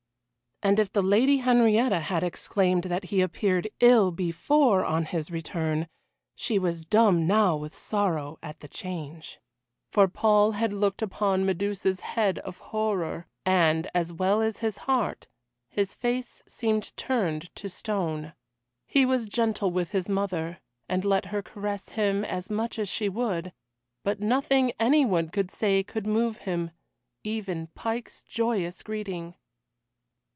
And if the Lady Henrietta had exclaimed that he appeared ill before on his return, she was dumb now with sorrow at the change. For Paul had looked upon Medusa's head of horror, and, as well as his heart, his face seemed turned to stone. He was gentle with his mother, and let her caress him as much as she would, but nothing any one could say could move him even Pike's joyous greeting.